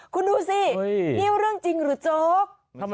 คุณดูสินี่เรื่องจริงหรือโจ๊ก